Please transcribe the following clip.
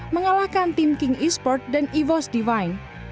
mengalahkan tim king esport dan evo's divine